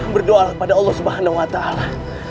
berdoa pada allah subhanahu wa ta'ala